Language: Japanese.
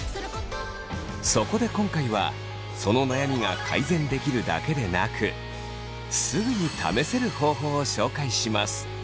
そこで今回はその悩みが改善できるだけでなくすぐに試せる方法を紹介します。